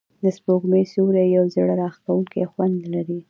د سپوږمۍ سیوری یو زړه راښکونکی خوند لري.